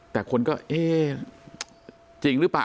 แต่คนก็เอ๊ะจริงหรือเปล่า